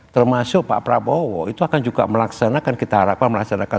termasuk pak prabowo itu akan juga melaksanakan kita harapkan melaksanakan